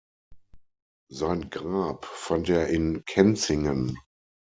Sein Grab fand er in Kenzingen.